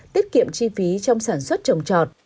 tiết kiệm chi phí trong sản xuất trồng trọt